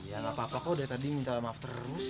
ya nggak apa apa kok dari tadi minta maaf terus